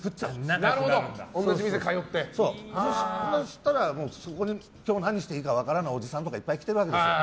そしたら、そこに今日何していいか分からないおじさんとかがいっぱい来ているわけですよ。